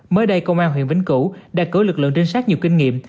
mới đây công an huyền bình cụ đã cử lực lượng trinh sát nhiều kinh nghiệm